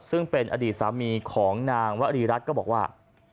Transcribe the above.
ซึ่งเป็นอดีตสามีของนางวรีรัฐก็บอกว่า